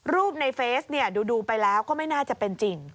ในเฟซดูไปแล้วก็ไม่น่าจะเป็นจริง